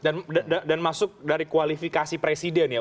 dan masuk dari kualifikasi presiden ya